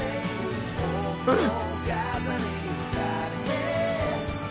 うん！